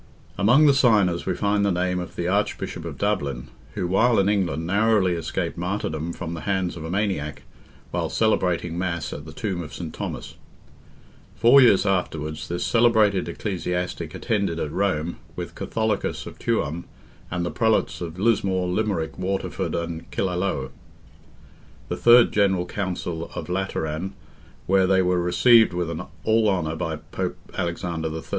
Among the signers we find the name of the Archbishop of Dublin, who, while in England, narrowly escaped martyrdom from the hands of a maniac, while celebrating Mass at the tomb of St. Thomas. Four years afterwards, this celebrated ecclesiastic attended at Rome, with Catholicus of Tuam, and the Prelates of Lismore, Limerick, Waterford, and Killaloe, the third general council of Lateran, where they were received with all honour by Pope Alexander III.